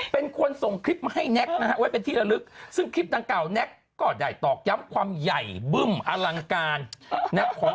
เป็นคนส่งคลิปมาให้แน็ก